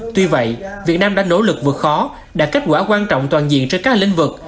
tuy vậy việt nam đã nỗ lực vượt khó đạt kết quả quan trọng toàn diện trên các lĩnh vực